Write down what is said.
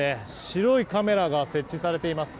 白いカメラが設置されています。